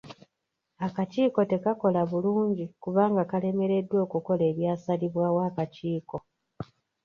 Akakiiko tekakola bulungi kubanga kalemereddwa okukola ebyasalibwawo akakiiko.